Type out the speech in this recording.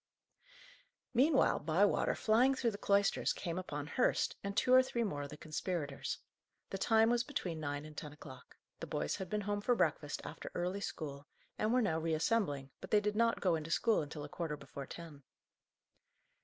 Meanwhile, Bywater, flying through the cloisters, came upon Hurst, and two or three more of the conspirators. The time was between nine and ten o'clock. The boys had been home for breakfast after early school, and were now reassembling, but they did not go into school until a quarter before ten.